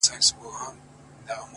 کندهار کي خو هوا نن د پکتيا ده’